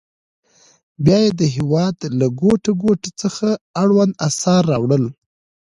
بیا یې د هېواد له ګوټ ګوټ څخه اړوند اثار راوړل.